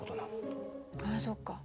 あそっか。